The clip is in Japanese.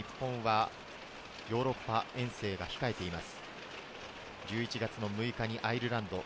この先日本は、ヨーロッパ遠征が控えています。